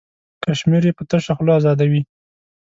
کشمیر یې په تشه خوله ازادوي.